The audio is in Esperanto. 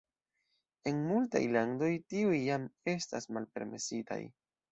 En multaj landoj tiuj jam estas malpermesitaj.